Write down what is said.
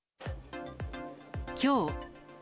きょう。